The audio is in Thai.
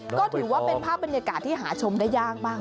ก็ถือว่าเป็นภาพบรรยากาศที่หาชมได้ยากมาก